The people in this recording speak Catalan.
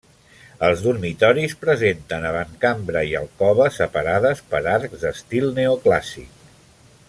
Els dormitoris presenten avantcambra i alcova, separades per arcs d'estil neoclàssic.